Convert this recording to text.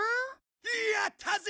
やったぜ！